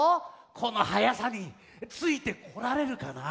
このはやさについてこられるかな？